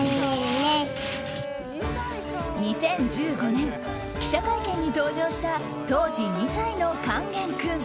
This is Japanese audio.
２０１５年記者会見に登場した当時２歳の勸玄君。